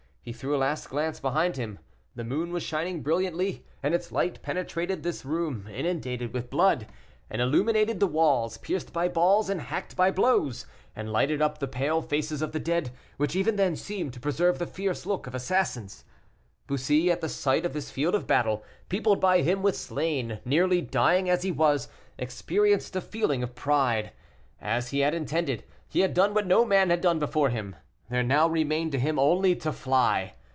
He threw a last glance behind him. The moon was shining brilliantly, and its light penetrated this room inundated with blood, and illuminated the walls pierced by balls, and hacked by blows, and lighted up the pale faces of the dead, which even then seemed to preserve the fierce look of assassins. Bussy, at the sight of this field of battle, peopled by him with slain, nearly dying as he was, experienced a feeling of pride. As he had intended, he had done what no man had done before him. There now remained to him only to fly.